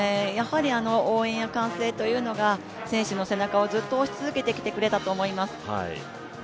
応援や歓声というのが、選手の背中をずっと押してくれていたと思います。